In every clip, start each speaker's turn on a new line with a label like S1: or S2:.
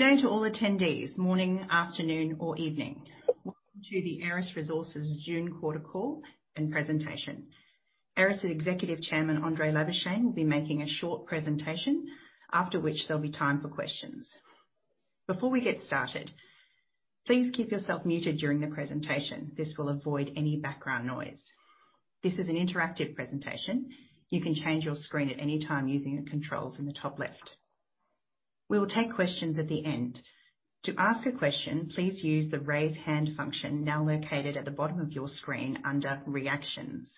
S1: Good day to all attendees, morning, afternoon, or evening. Welcome to the Aeris Resources June quarter call and presentation. Aeris' Executive Chairman, André Labuschagne, will be making a short presentation, after which there'll be time for questions. Before we get started, please keep yourself muted during the presentation. This will avoid any background noise. This is an interactive presentation. You can change your screen at any time using the controls in the top left. We will take questions at the end. To ask a question, please use the raise hand function now located at the bottom of your screen under Reactions.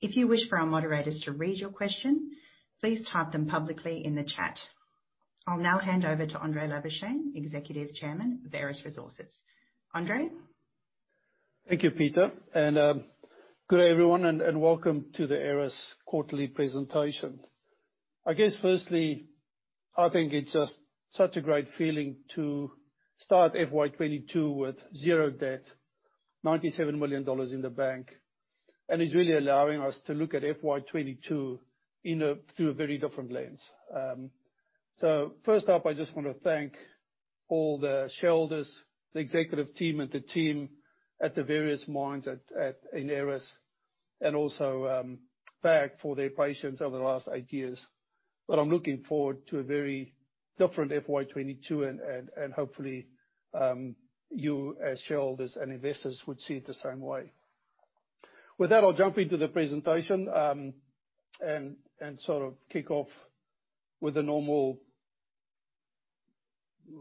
S1: If you wish for our moderators to read your question, please type them publicly in the chat. I'll now hand over to André Labuschagne, Executive Chairman of Aeris Resources. André?
S2: Thank you, Peta. Good day, everyone, and welcome to the Aeris quarterly presentation. I guess firstly, I think it's just such a great feeling to start FY 2022 with zero debt, AUD 97 million in the bank. It's really allowing us to look at FY 2022 through a very different lens. First up, I just want to thank all the shareholders, the executive team, and the team at the various mines in Aeris, and also PAG, for their patience over the last eight years. I'm looking forward to a very different FY 2022 and hopefully, you as shareholders and investors would see it the same way. With that, I'll jump into the presentation, and sort of kick off with the normal- There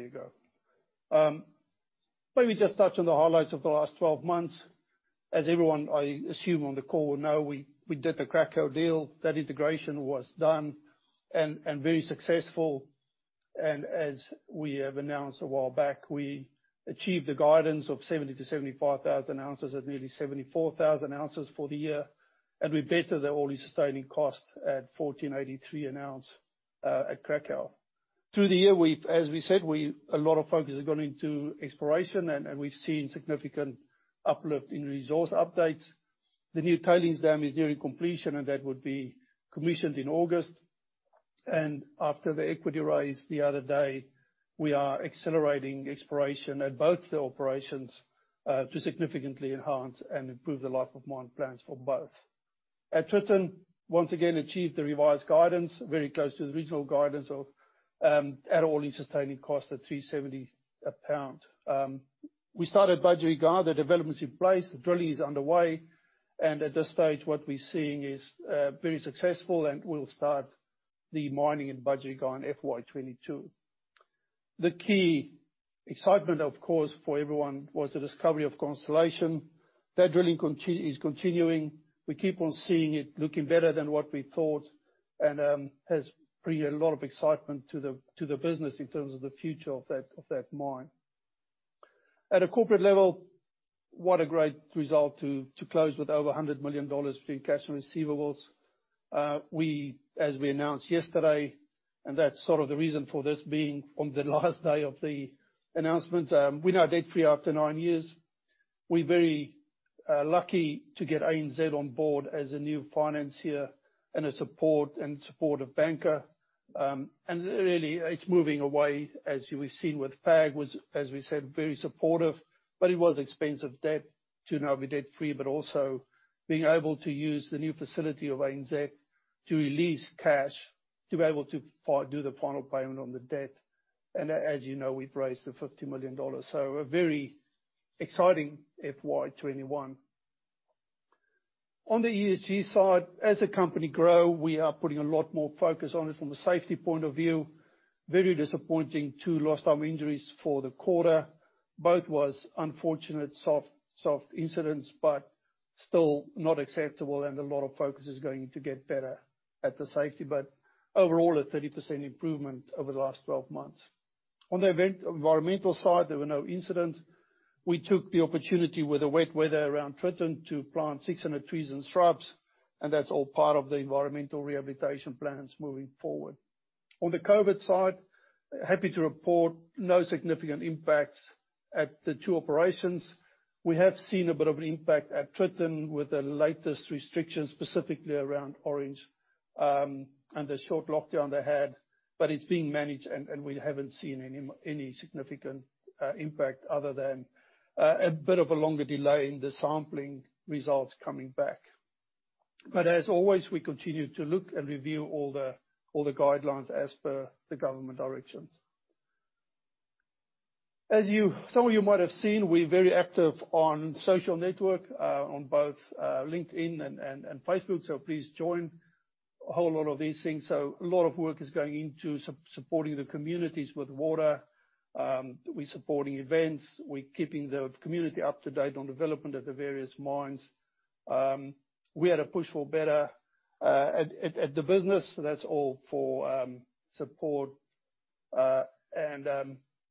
S2: you go. Maybe just touch on the highlights of the last 12 months. As everyone, I assume, on the call will know, we did the Cracow deal. That integration was done and very successful. As we have announced a while back, we achieved the guidance of 70,000 oz-75,000 oz at nearly 74,000 oz for the year. We bettered the all-in sustaining cost at 1,483 an ounce at Cracow. Through the year, as we said, a lot of focus has gone into exploration and we've seen significant uplift in resource updates. The new tailings dam is nearing completion, and that would be commissioned in August. After the equity raise the other day, we are accelerating exploration at both the operations, to significantly enhance and improve the life-of-mine plans for both. At Tritton, once again, achieved the revised guidance, very close to the original guidance of, at all-in sustaining cost at 3.70 a pound. We started Budgerygar, the development's in place, the drilling is underway. At this stage, what we're seeing is very successful, and we'll start the mining in Budgerygar in FY 2022. The key excitement, of course, for everyone was the discovery of Constellation. That drilling is continuing. We keep on seeing it looking better than what we thought and has brought a lot of excitement to the business in terms of the future of that mine. At a corporate level, what a great result to close with over 100 million dollars between cash and receivables. As we announced yesterday, and that's sort of the reason for this being on the last day of the announcement, we're now debt-free after nine years. We're very lucky to get ANZ on board as a new financier and a supportive banker. Really, it's moving away, as we've seen with PAG, was, as we said, very supportive, but it was expensive debt. To now be debt-free, but also being able to use the new facility of ANZ to release cash to be able to do the final payment on the debt. As you know, we've raised the 50 million dollars, so a very exciting FY 2021. On the ESG side, as a company grow, we are putting a lot more focus on it from the safety point of view. Very disappointing, two lost time injuries for the quarter. Both was unfortunate, soft incidents, but still not acceptable and a lot of focus is going in to get better at the safety. Overall, a 30% improvement over the last 12 months. On the environmental side, there were no incidents. We took the opportunity with the wet weather around Tritton to plant 600 trees and shrubs, and that's all part of the environmental rehabilitation plans moving forward. On the COVID side, happy to report no significant impacts at the two operations. We have seen a bit of an impact at Tritton with the latest restrictions, specifically around Orange, and the short lockdown they had, but it's being managed and we haven't seen any significant impact other than a bit of a longer delay in the sampling results coming back. As always, we continue to look and review all the guidelines as per the government directions. As some of you might have seen, we're very active on social network, on both LinkedIn and Facebook, please join a whole lot of these things. A lot of work is going into supporting the communities with water. We're supporting events. We're keeping the community up to date on development of the various mines. We had a Push for Better at the business. That's all for support.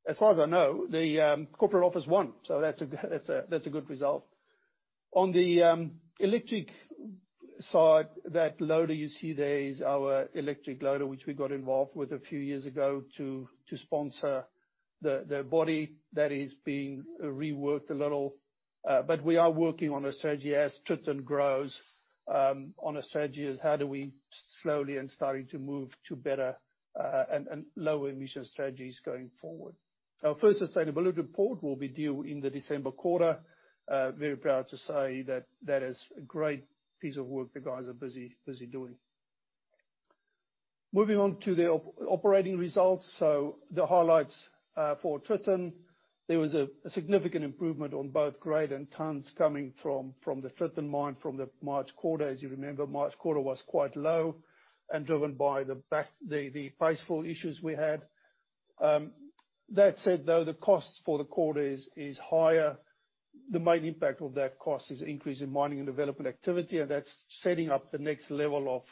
S2: As far as I know, the corporate office won. That's a good result. On the electric side, that loader you see there is our electric loader, which we got involved with a few years ago to sponsor the body that is being reworked a little. We are working on a strategy as Tritton grows, on a strategy as how do we slowly and starting to move to better, and lower emission strategies going forward. Our first sustainability report will be due in the December quarter. Very proud to say that that is a great piece of work the guys are busy doing. Moving on to the operating results. The highlights for Tritton, there was a significant improvement on both grade and tons coming from the Tritton mine from the March quarter. As you remember, March quarter was quite low and driven by the price fall issues we had. That said, though, the cost for the quarter is higher. The main impact of that cost is increase in mining and development activity, and that's setting up the next level of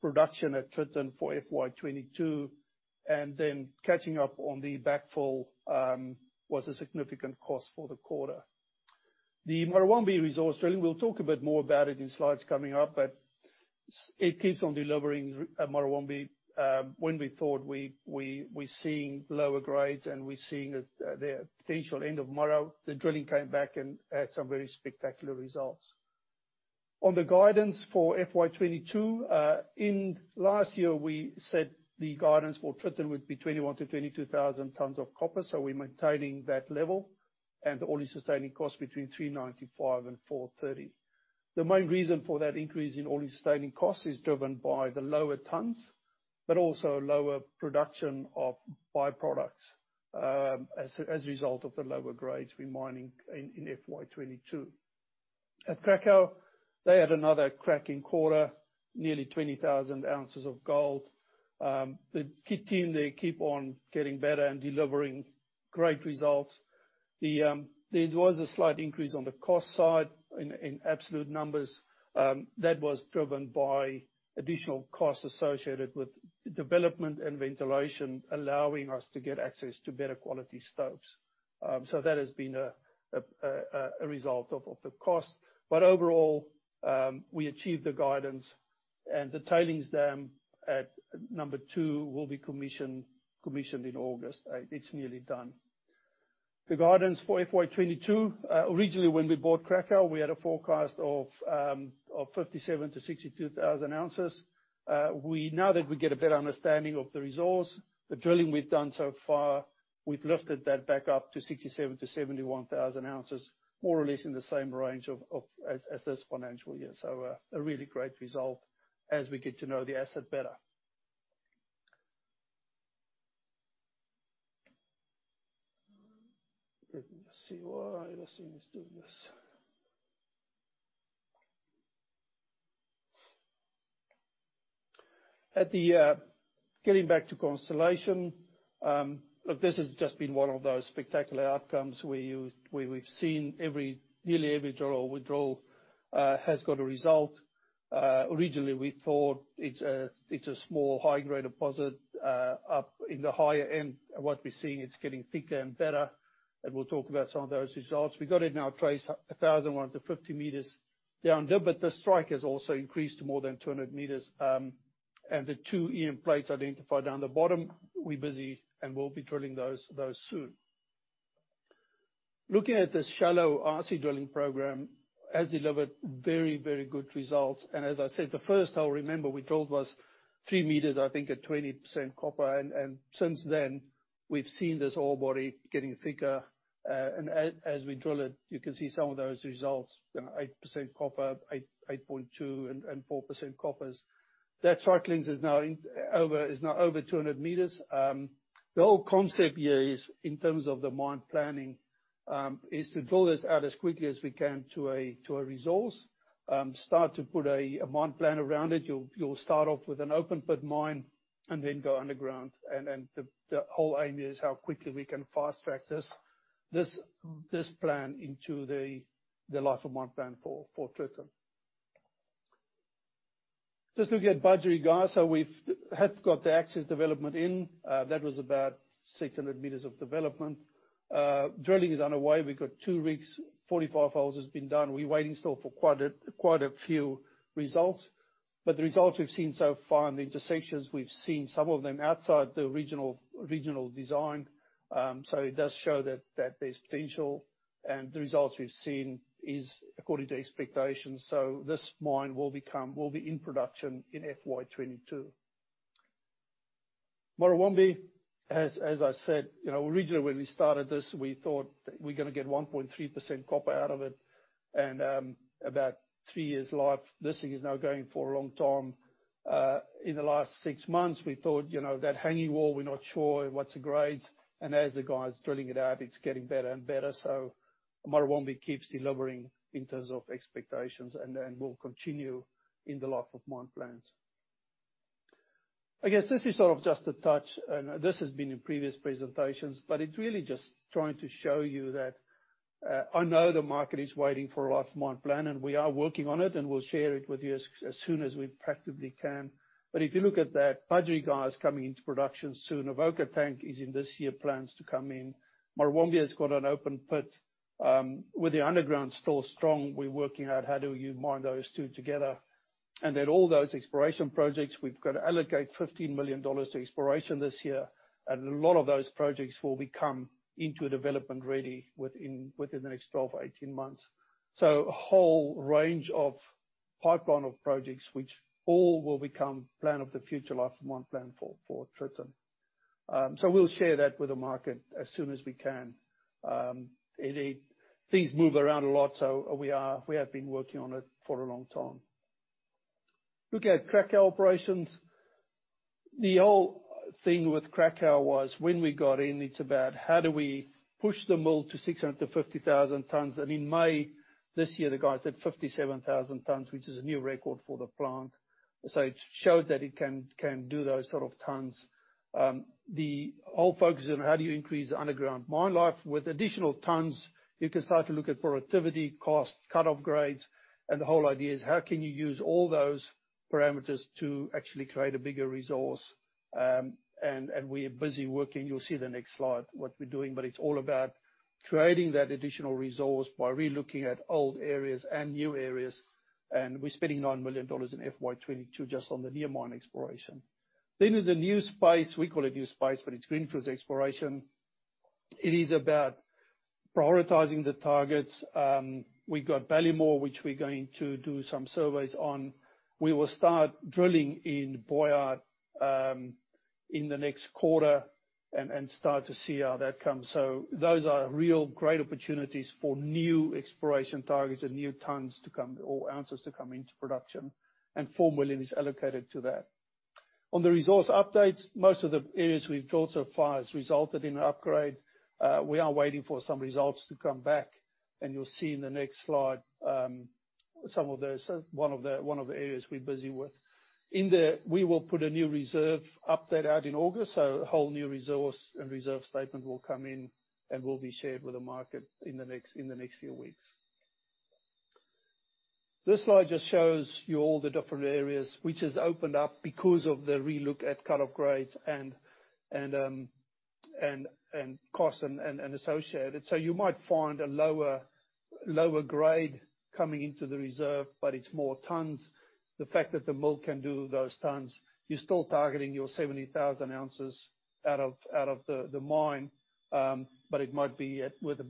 S2: production at Tritton for FY 2022, and then catching up on the backfall was a significant cost for the quarter. The Murrawombie resource drilling, we'll talk a bit more about it in slides coming up, but it keeps on delivering at Murrawombie. When we thought we're seeing lower grades and we're seeing the potential end of Murra, the drilling came back and had some very spectacular results. On the guidance for FY 2022, in last year we said the guidance for Tritton would be 21,000-22,000 tonnes of copper, we're maintaining that level and the all-in sustaining cost between 395 and 430. The main reason for that increase in all-in sustaining cost is driven by the lower tonnes, but also lower production of byproducts, as a result of the lower grades we're mining in FY 2022. At Cracow, they had another cracking quarter, nearly 20,000 oz of gold. The key team there keep on getting better and delivering great results. There was a slight increase on the cost side in absolute numbers, that was driven by additional costs associated with development and ventilation, allowing us to get access to better quality stopes. That has been a result of the cost. Overall, we achieved the guidance and the tailings dam at number two will be commissioned in August. It's nearly done. The guidance for FY 2022, originally when we bought Cracow, we had a forecast of 57,000 oz-62,000 oz. That we get a better understanding of the resource, the drilling we've done so far, we've lifted that back up to 67-7,100 oz, more or less in the same range as this financial year. A really great result as we get to know the asset better. Let's see why this thing is doing this. Getting back to Constellation, this has just been one of those spectacular outcomes where we've seen nearly every drill we drove has got a result. Originally, we thought it's a small high-grade deposit. Up in the higher end, what we're seeing, it's getting thicker and better, and we'll talk about some of those results. We've got it now traced 1,150 m down dip, but the strike has also increased to more than 200 m. The two EM plates identified down the bottom, we're busy and we'll be drilling those soon. Looking at this shallow RC drilling program has delivered very good results. As I said, the first hole, remember, we drilled was 3 m, I think, at 20% copper. Since then, we've seen this ore body getting thicker. As we drill it, you can see some of those results, 8% copper, 8.2% and 4% coppers. That strike length is now over 200 m. The whole concept here is, in terms of the mine planning, is to drill this out as quickly as we can to a resource. Start to put a mine plan around it. You'll start off with an open pit mine and then go underground and the whole aim is how quickly we can fast-track this plan into the life-of-mine plan for Tritton. Looking at Budgerygar, we've got the access development in. That was about 600 m of development. Drilling is underway. We've got two rigs, 45 holes has been done. We're waiting still for quite a few results. The results we've seen so far and the intersections, we've seen some of them outside the original design. It does show that there's potential, and the results we've seen is according to expectations. This mine will be in production in FY 2022. Murrawombie, as I said, originally when we started this, we thought we're going to get 1.3% copper out of it and about three years life. This thing is now going for a long time. In the last six months, we thought, that hanging wall, we're not sure what's the grades. As the guys drilling it out, it's getting better and better. Murrawombie keeps delivering in terms of expectations and will continue in the life-of-mine plans. I guess this is sort of just a touch, and this has been in previous presentations, but it's really just trying to show you that I know the market is waiting for a life-of-mine plan, and we are working on it, and we'll share it with you as soon as we practically can. If you look at that, Budgerygar is coming into production soon. Avoca Tank is in this year plans to come in. Murrawombie has got an open pit. With the underground still strong, we're working out how do you mine those two together? Then all those exploration projects, we've got to allocate 15 million dollars to exploration this year, and a lot of those projects will become into development-ready within the next 12 or 18 months. A whole range of pipeline of projects which all will become plan of the future life-of-mine plan for Tritton. We'll share that with the market as soon as we can. Things move around a lot, so we have been working on it for a long time. Look at Cracow operations. The whole thing with Cracow was when we got in, it's about how do we push the mill to 650,000 tonnes. In May this year, the guy said 57,000 tonnes, which is a new record for the plant. It showed that it can do those sort of tons. The whole focus on how do you increase underground mine life. With additional tons, you can start to look at productivity, cost, cut-off grades. The whole idea is how can you use all those parameters to actually create a bigger resource. We're busy working. You'll see the next slide, what we're doing, but it's all about creating that additional resource by re-looking at old areas and new areas. We're spending 9 million dollars in FY 2022 just on the near mine exploration. In the new space, we call it new space, but it's greenfields exploration. It is about prioritizing the targets. We've got Ballymore, which we're going to do some surveys on. We will start drilling in Boughyard in the next quarter and start to see how that comes. Those are real great opportunities for new exploration targets and new tonnes to come, or ounces to come into production, and 4 million is allocated to that. On the resource updates, most of the areas we've drilled so far has resulted in an upgrade. We are waiting for some results to come back, and you'll see in the next slide, some of those, one of the areas we're busy with. In there, we will put a new reserve update out in August, so a whole new resource and reserve statement will come in and will be shared with the market in the next few weeks. This slide just shows you all the different areas which has opened up because of the relook at cut-off grades and cost. You might find a lower grade coming into the reserve, but it's more tonnes. The fact that the mill can do those tons, you're still targeting your 70,000 oz out of the mine, but it might be with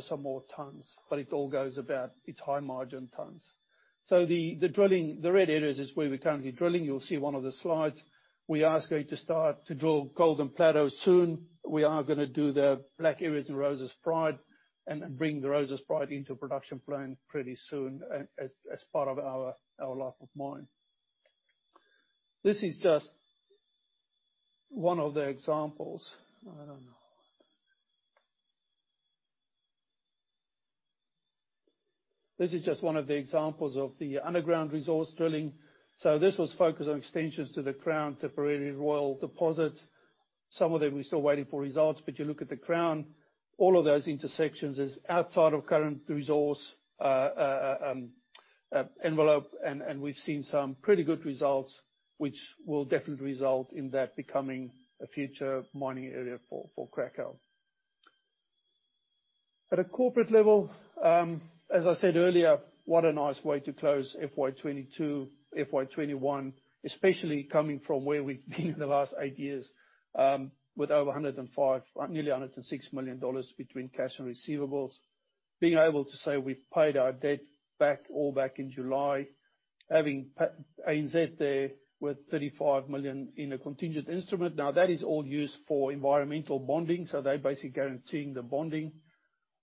S2: some more tons, but it all goes about its high margin tons. The drilling, the red areas is where we're currently drilling. You'll see one of the slides. We are going to start to drill Golden Plateau soon. We are going to do the black areas in Roses Pride and bring the Roses Pride into production plan pretty soon as part of our life-of-mine. This is just one of the examples. I don't know. This is just one of the examples of the underground resource drilling. This was focused on extensions to the Crown, Tipperary, Royal deposits. Some of them, we're still waiting for results. You look at the Crown, all of those intersections is outside of current resource envelope, and we've seen some pretty good results, which will definitely result in that becoming a future mining area for Cracow. At a corporate level, as I said earlier, what a nice way to close FY 2022, FY 2021, especially coming from where we've been the last eight years, with over 105 million, nearly 106 million dollars between cash and receivables. Being able to say we've paid our debt back all back in July, having ANZ there with 35 million in a contingent instrument. Now, that is all used for environmental bonding, so they're basically guaranteeing the bonding.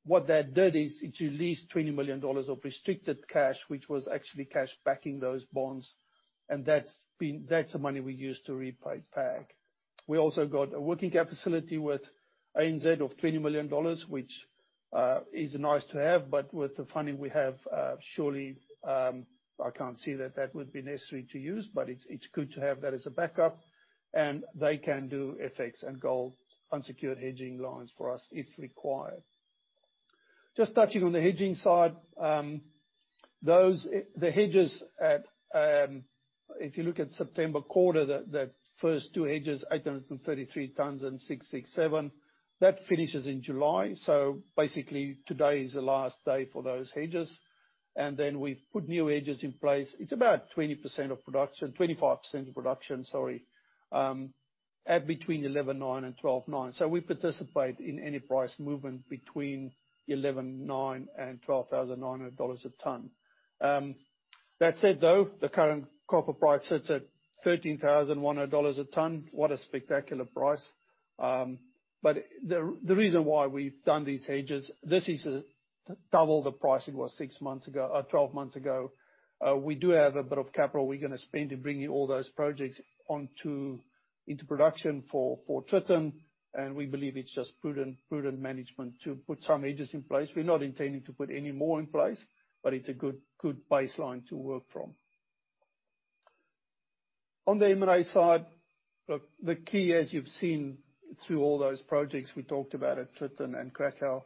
S2: What that did is it released 20 million dollars of restricted cash, which was actually cash backing those bonds, and that's the money we used to repay PAG. We also got a working capital facility with ANZ of 20 million dollars, which is nice to have, but with the funding we have, surely, I can't see that that would be necessary to use, but it's good to have that as a backup, and they can do FX and gold unsecured hedging loans for us if required. Just touching on the hedging side. The hedges at, if you look at September quarter, that first two hedges, 833 tonnes and 667 tonnes, that finishes in July. Basically, today is the last day for those hedges. We've put new hedges in place. It's about 20% of production, 25% of production, sorry, at between 11,900 and 12,900. We participate in any price movement between 11,900 and 12,900 dollars a tonne. That said, though, the current copper price sits at 13,100 dollars a tonne. What a spectacular price. The reason why we've done these hedges, this is double the price it was 12 months ago. We do have a bit of capital we're going to spend to bring all those projects into production for Tritton, and we believe it's just prudent management to put some hedges in place. We're not intending to put any more in place, it's a good baseline to work from. On the M&A side, look, the key as you've seen through all those projects we talked about at Tritton and Cracow,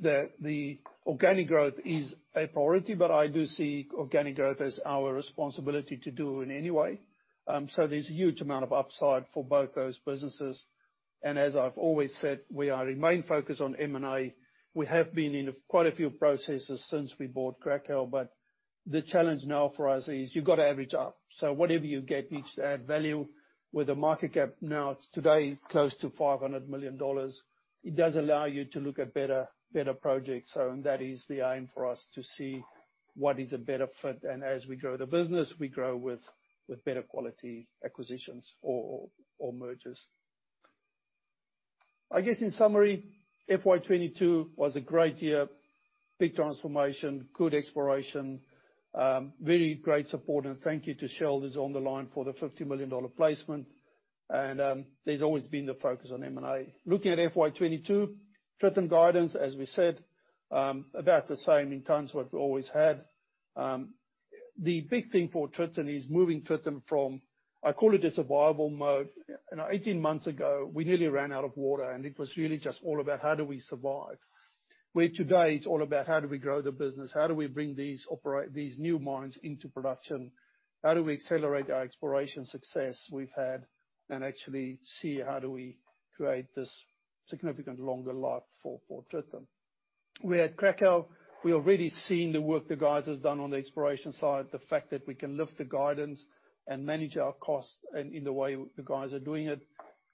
S2: that the organic growth is a priority, I do see organic growth as our responsibility to do in any way. There's a huge amount of upside for both those businesses. And as I've always said, we are remain focused on M&A. We have been in quite a few processes since we bought Cracow. The challenge now for us is you've got to average up. Whatever you get needs to add value with a market cap now today close to 500 million dollars. It does allow you to look at better projects. That is the aim for us to see what is a better fit. As we grow the business, we grow with better quality acquisitions or mergers. I guess in summary, FY 2022 was a great year. Big transformation, good exploration, very great support. Thank you to shareholders on the line for the 50 million dollar placement. There's always been the focus on M&A. Looking at FY 2022, Tritton guidance, as we said, about the same in tons what we've always had. The big thing for Tritton is moving Tritton from, I call it a survival mode. 18 months ago, we nearly ran out of water. It was really just all about how do we survive. Today it's all about how do we grow the business, how do we bring these new mines into production, how do we accelerate our exploration success we've had, and actually see how do we create this significant longer life for Tritton. At Cracow, we are really seeing the work the guys has done on the exploration side, the fact that we can lift the guidance and manage our costs and in the way the guys are doing it.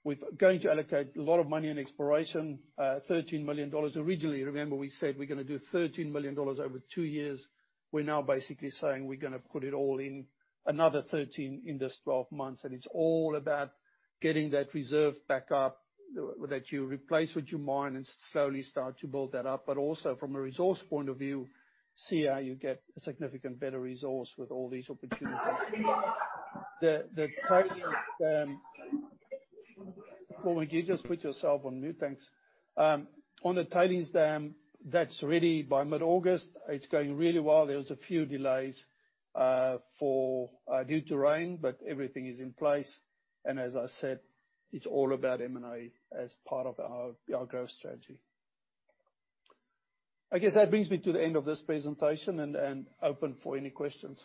S2: We're going to allocate a lot of money in exploration, 13 million dollars. Originally, remember we said we're going to do 13 million dollars over two years. We're now basically saying we're going to put it all in another 13 in this 12 months. It's all about getting that reserve back up, that you replace what you mine and slowly start to build that up. Also from a resource point of view, see how you get a significant better resource with all these opportunities. Paul, can you just put yourself on mute? Thanks. On the tailings dam, that's ready by mid-August. It's going really well. There's a few delays due to rain, but everything is in place. As I said, it's all about M&A as part of our growth strategy. I guess that brings me to the end of this presentation, and open for any questions.